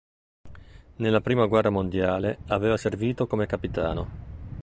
Nella Prima guerra mondiale aveva servito come capitano.